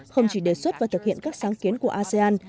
không chỉ đề xuất và thực hiện các sáng kiến của asean